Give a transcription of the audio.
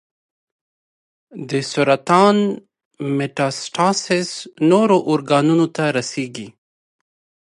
د سرطان میټاسټاسس نورو ارګانونو ته رسېږي.